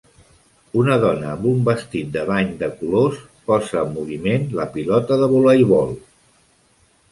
Una dona amb un vestit de bany de colors, posa en moviment la pilota de voleibol.